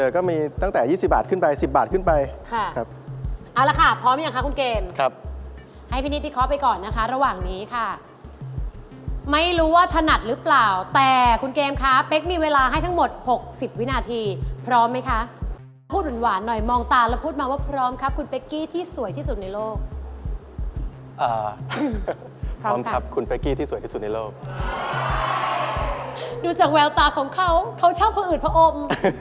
ก็มีตั้งแต่ยี่สิบบาทขึ้นไปสิบบาทขึ้นไปค่ะครับเอาละค่ะพร้อมยังคะคุณเกมครับให้พี่นิดพี่ขอไปก่อนนะคะระหว่างนี้ค่ะไม่รู้ว่าถนัดหรือเปล่าแต่คุณเกมคะเป๊กมีเวลาให้ทั้งหมดหกสิบวินาทีพร้อมไหมคะพูดหวานหน่อยมองตาแล้วพูดมาว่าพร้อมครับคุณเป๊กกี้ที่สวยที่สุดในโลกอ่าพร้อมครับคุณ